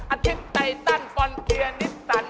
อาทิตย์ไตตันฟอนเกียร์นิสสัน